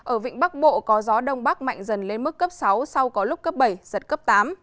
ở vịnh bắc bộ có gió đông bắc mạnh dần lên mức cấp sáu sau có lúc cấp bảy giật cấp tám